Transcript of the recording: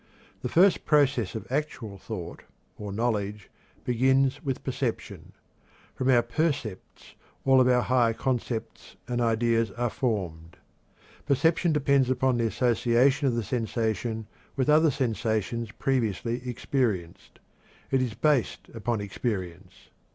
The first process of actual thought, or knowledge, begins with perception. From our percepts all of our higher concepts and ideas are formed. Perception depends upon association of the sensation with other sensations previously experienced; it is based upon experience.